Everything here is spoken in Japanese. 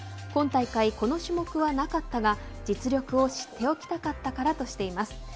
今大会、この種目はなかったが実力を知っておきたかったからとしています。